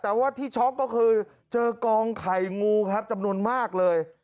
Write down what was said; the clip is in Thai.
แต่ว่าที่ช็อกก็คือเจอกองไข่งูครับจำนวนมากเลย